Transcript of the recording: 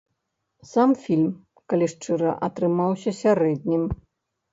Сам фільм, калі шчыра, атрымаўся сярэднім.